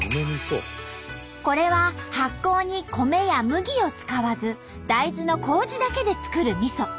これは発酵に米や麦を使わず大豆のこうじだけでつくるみそ。